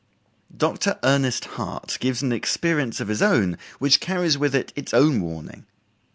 Dr. Ernest Hart gives an experience of his own which carries with it its own warning.